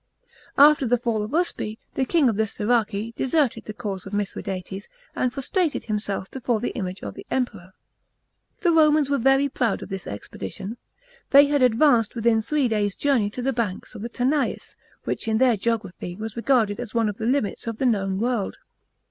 After the fall of Uspe, the king of the Siraci deserted the cause of Mithradates, and prostrated himself before the image of the Emperor. The Romans were very proud of this expedition. They had advance*! within three days' journey of the banks of the Tanais, which in their geography was regarded as one of the limits of the known world.